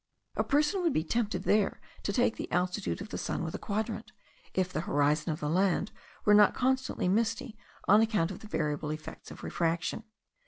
A person would be tempted there to take the altitude of the sun with a quadrant, if the horizon of the land were not constantly misty on account of the variable effects of refraction.